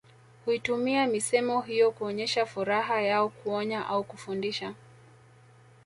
Huitumia misemo hiyo kuonyesha furaha yao kuonya au kufundisha